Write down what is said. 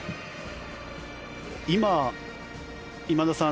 今、今田さん